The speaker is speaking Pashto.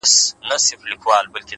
• ستا د تخت او زما د سر به دښمنان وي ,